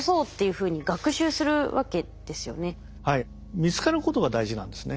見つかることが大事なんですね。